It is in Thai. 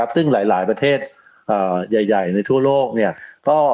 ซึ่งหลายประเทศใหญ่ในทั่วโลก